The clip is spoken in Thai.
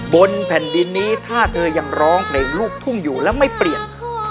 บนแผ่นดินนี้ถ้าเธอยังร้องเพลงลูกทุ่งอยู่แล้วไม่เปลี่ยน